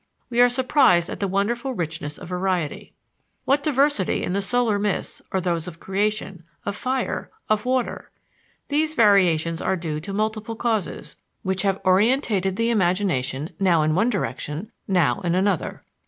we are surprised at the wonderful richness of variety. What diversity in the solar myths, or those of creation, of fire, of water! These variations are due to multiple causes, which have orientated the imagination now in one direction, now in another.